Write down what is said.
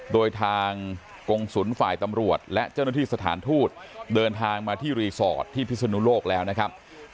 โดยทางกงศุลฝ่ายตำรวจและเจ้าหน้าที่สถานทูตเดินทางมาที่รีสอร์ทที่พิศนุโลกแล้วนะครับ